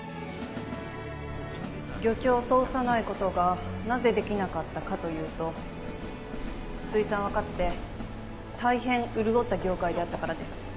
漁協を通さないことがなぜできなかったかというと水産はかつて大変潤った業界であったからです。